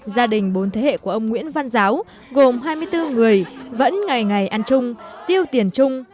gia đình bốn thế hệ của ông nguyễn văn giáo gồm hai mươi bốn người vẫn ngày ngày ăn chung tiêu tiền chung